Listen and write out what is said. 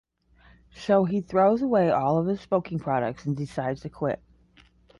So he throws away all of his smoking products and decides to quit.